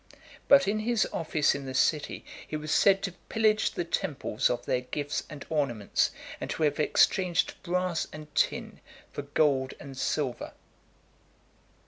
But in his office in the city, he was said to pillage the temples of their gifts and ornaments, and to have exchanged brass and tin for gold and silver.